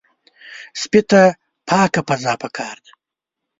سپي ته پاکه فضا پکار ده.